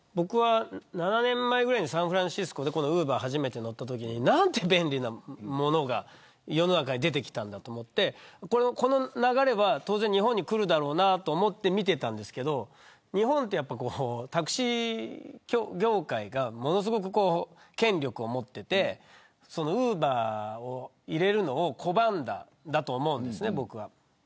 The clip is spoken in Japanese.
７年前ぐらいにサンフランシスコで初めてウーバーに乗ったときに何て便利なものが世の中に出てきたんだろうと思ってこの流れは当然日本にくるだろうと思って見ていたんですけど日本はやっぱりタクシー業界がものすごく権力を持っていてウーバーを入れるのを拒んだんだと思うんです。